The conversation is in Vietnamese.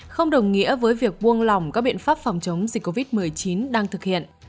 không đồng nghĩa với việc buông lỏng các biện pháp phòng chống dịch covid một mươi chín đang thực hiện